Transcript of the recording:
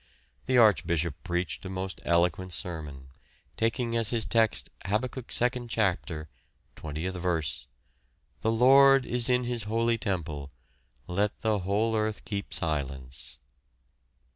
The Archbishop preached a most eloquent sermon, taking as his text: Habakkuk 2nd chapter, 20th verse, "The Lord is in his holy temple: let the whole earth keep silence."